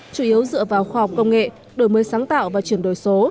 chủ yếu dựa vào khoa học công nghệ đổi mới sáng tạo và chuyển đổi số